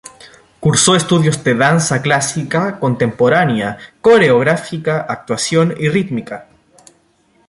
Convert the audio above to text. Cursó estudios de Danza clásica, Contemporánea, Coreografía, Actuación y Rítmica.